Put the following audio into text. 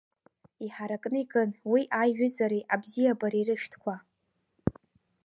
Иҳаракны икын уи аиҩазыреи абзиабареи рышәҭқәа.